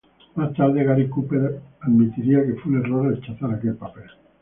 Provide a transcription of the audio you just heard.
Más tarde Gary Cooper admitiría que fue un error rechazar aquel papel.